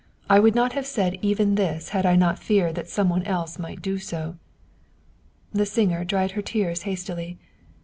I would not have said even this had I not feared that some one else might do so." The singer dried her tears hastily.